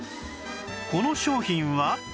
この商品は